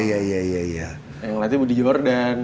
yang ngelatih budi jordan